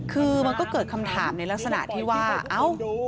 คือมันก็เกิดคำถามในลักษณะที่ว่าเอ้า